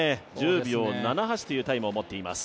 １０秒７８というタイムを持っています。